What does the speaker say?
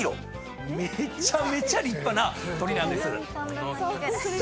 めちゃめちゃ立派な鶏なんです。